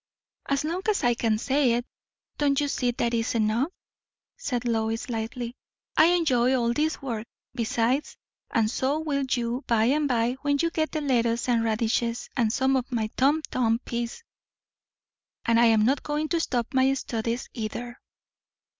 "As long as I can say it, don't you see that is enough?" said Lois lightly. "I enjoy all this work, besides; and so will you by and by when you get the lettuce and radishes, and some of my Tom Thumb peas. And I am not going to stop my studies either."